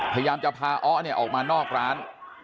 พยายามจะพาอ้อออกมานอกร้าน